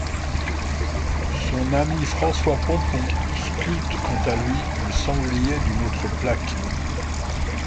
Son ami François Pompon sculpte quant à lui le sanglier d'une autre plaque.